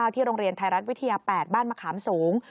ที่โรงเรียนไทยรัฐวิทยา๘บ้านมะขามสูง